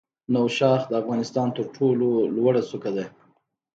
نوشاخ د افغانستان تر ټولو لوړه څوکه ده